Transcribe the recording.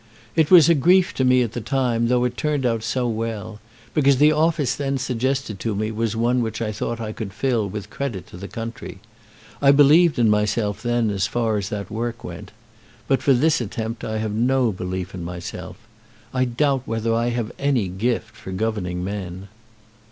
"It was a grief to me at the time, though it turned out so well, because the office then suggested to me was one which I thought I could fill with credit to the country. I believed in myself then as far as that work went. But for this attempt I have no belief in myself. I doubt whether I have any gift for governing men."